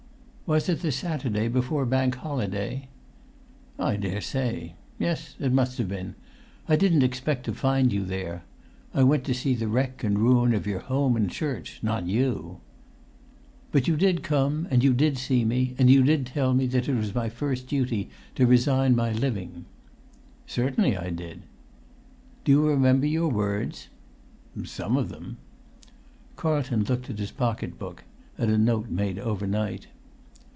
"Was it the Saturday before Bank Holiday?" "I daresay. Yes, it must have been. I didn't expect to find you there. I went to see the wreck and ruin of your home and church, not you." "But you did come, and you did see me, and you did tell me it was my first duty to resign my living?" "Certainly I did." "Do you remember your words?" "Some of them." Carlton looked at his pocket book—at a note made overnight.